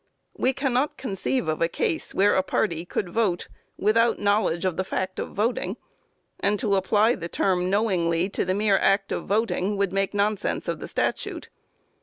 We cannot conceive of a case where a party could vote without knowledge of the fact of voting, and to apply the term "knowingly" to the more act of voting, would make nonsense of the statute.